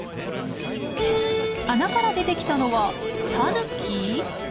穴から出てきたのはタヌキ？